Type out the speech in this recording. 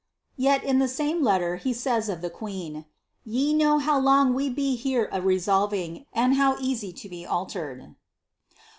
Tet, in the same letter, he says of the queen, 'ye know how e be here a resolving, and how easy lo be altered.'